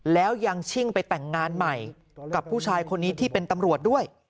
แล้วยังชิ่งไปแต่งงานใหม่กับผู้ชายคนนี้ที่เป็นตำรวจด้วย